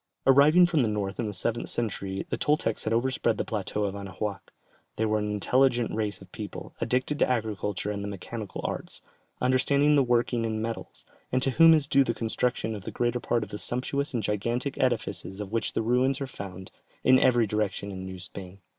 Arriving from the north in the seventh century the Toltecs had overspread the plateau of Anahuac. They were an intelligent race of people, addicted to agriculture and the mechanical arts, understanding the working in metals, and to whom is due the construction of the greater part of the sumptuous and gigantic edifices of which the ruins are found in every direction in New Spain.